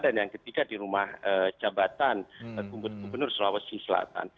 dan yang ketiga di rumah jabatan kumbut gubernur sulawesi selatan